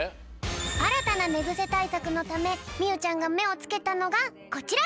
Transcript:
あらたなねぐせたいさくのためみゆちゃんがめをつけたのがこちら！